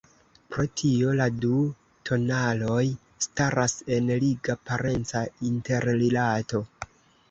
Pro tio la du tonaloj staras en liga parenca interrilato.